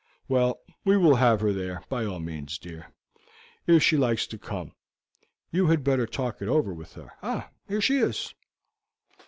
"Well, we will have her there, by all means, dear, if she likes to come; you had better talk it over with her. Ah! here she is.